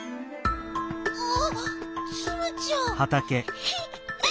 あっツムちゃん。